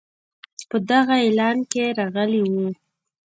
په دغه اعلان کې راغلی وو.